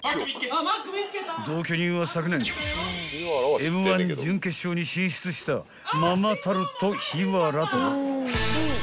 ［同居人は昨年Ｍ−１準決勝に進出したママタルト檜原と］